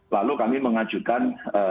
lalu kami mengajukan